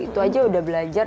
itu aja udah belajar